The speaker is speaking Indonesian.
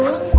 udah ada kak